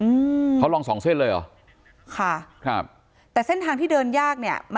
อืมเขาลองสองเส้นเลยเหรอค่ะครับแต่เส้นทางที่เดินยากเนี้ยมัน